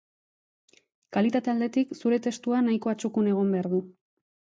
Kalitate aldetik, zure testua nahikoa txukun egon behar du.